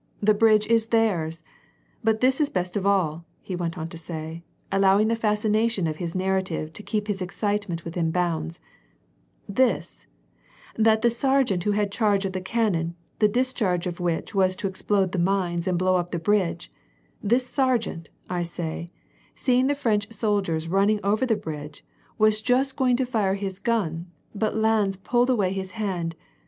the bridge is theirs ! But this is best of all," he went on to say, allowing the fascination of his narrative to keep his excitement within bounds, "this, — that the sergeant, who had charge of the cannon, the discharge of which was to explode the mines and blow up the bridge, this sergeant, 1 say, seeing the French soldiers running over the bridge, was just going to fire his gun, but Lannes pulled away his hand.